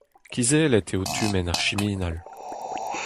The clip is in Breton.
Kizellet eo tumenn ar siminal.